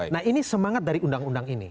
nah ini semangat dari undang undang ini